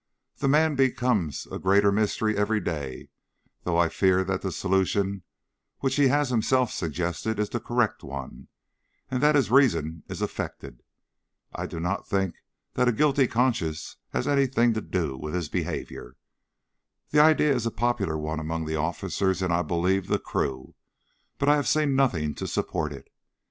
The man becomes a greater mystery every day, though I fear that the solution which he has himself suggested is the correct one, and that his reason is affected. I do not think that a guilty conscience has anything to do with his behaviour. The idea is a popular one among the officers, and, I believe, the crew; but I have seen nothing to support it.